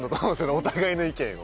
お互いの意見を。